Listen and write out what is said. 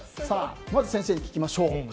まず先生に聞きましょう。